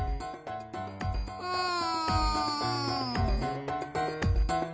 うん。